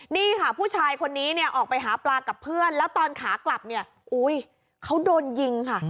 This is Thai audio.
นี่ค่ะผู้ชายคนนี้เนี่ยออกไปหาปลากับเพื่อนแล้วตอนขากลับเนี่ยอุ้ยเขาโดนยิงค่ะ